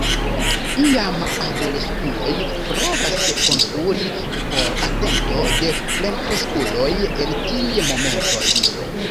Iam adoleskuloj provas konkuri por atento de plenkreskuloj en tiuj momentoj.